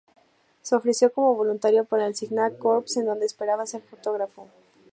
Se ofreció como voluntario para el Signal Corps, en donde esperaba ser fotógrafo.